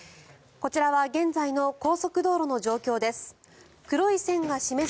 こちらは現在の高速道路の状況です。